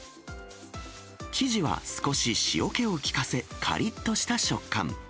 生地は少し塩気を効かせ、かりっとした食感。